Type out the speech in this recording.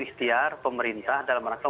ihtiar pemerintah dalam rangka